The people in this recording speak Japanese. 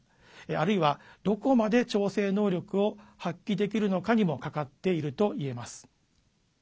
あるいは、どこまで調整能力を発揮できるのかにもかかっているといえます。